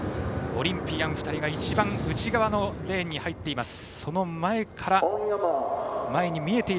オリンピアン２人が一番内側のレーンに入っています。